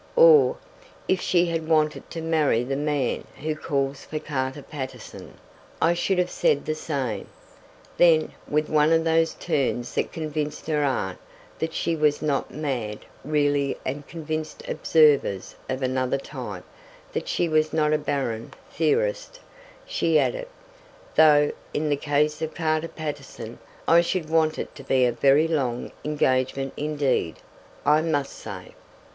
" or if she had wanted to marry the man who calls for Carter Paterson, I should have said the same." Then, with one of those turns that convinced her aunt that she was not mad really and convinced observers of another type that she was not a barren theorist, she added: "Though in the case of Carter Paterson I should want it to be a very long engagement indeed, I must say."